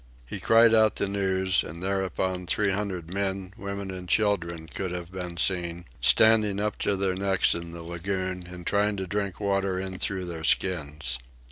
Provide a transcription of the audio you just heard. He cried out the news, and thereupon three hundred men, women, and children could have been seen, standing up to their necks in the lagoon and trying to drink water in through their skins.